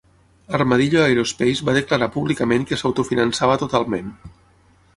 Armadillo Aerospace va declarar públicament que s'autofinançava totalment.